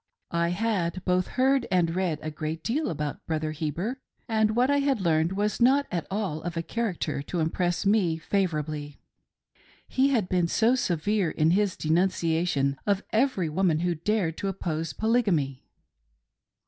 I had both heard and read a great deal about Brother Heber, and what I had learned was not at all of a character to impress me favorably — he had been so severe in his denunciation of every woman who dared to oppose Polygamy.